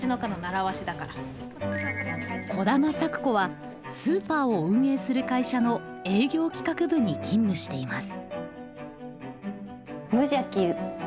兒玉咲子はスーパーを運営する会社の営業企画部に勤務しています。